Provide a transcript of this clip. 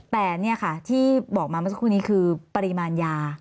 แต่นี่ค่ะที่บอกมาเมื่อสักครู่นี้คือปริมาณยา